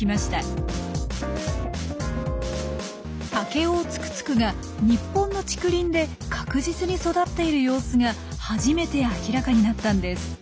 タケオオツクツクが日本の竹林で確実に育っている様子が初めて明らかになったんです。